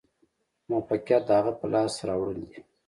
موفقیت د هغه څه په لاس راوړل دي.